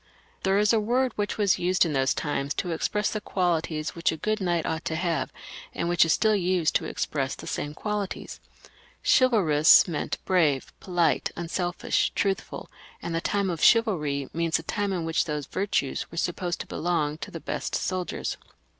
There is a word which was used in those times to express the qualities which a good knight ought to have, and which is still used to express the same qualities ; chival IS PHILIP L [CH. : H rous meant brave, polite^ unselfish, truthful, and the time of chivalry means the time in which those virtues were supposed to belong to the best soldiers.